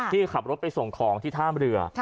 ที่ขับรถไปส่งของที่ท่ามเรือ